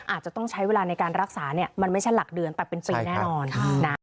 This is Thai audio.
อาจจะต้องใช้เวลาในการรักษาเนี่ยมันไม่ใช่หลักเดือนแต่เป็นปีแน่นอนนะ